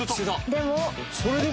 「でも」